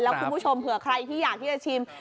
แล้วคุณผู้ชมเผื่อใครที่อยากที่จะชิม